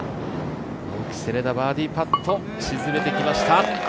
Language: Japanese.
青木瀬令奈、バーディーパット、沈めてきました。